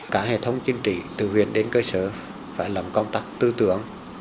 cả hệ thống chính trị từ huyện đến cơ sở phải làm công tác tư tưởng